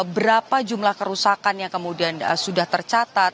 berapa jumlah kerusakan yang kemudian sudah tercatat